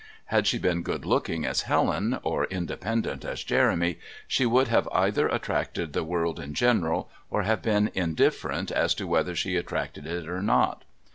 Had she been good looking as Helen, or independent as Jeremy, she would have either attracted the world in general, or have been indifferent as to whether she attracted it or not.